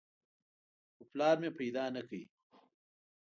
خو پلار مې پیدا نه کړ.